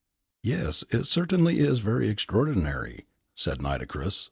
"Yes, it certainly is very extraordinary," said Nitocris.